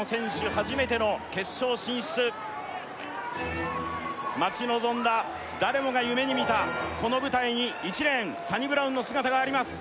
初めての決勝進出待ち望んだ誰もが夢に見たこの舞台に１レーンサニブラウンの姿があります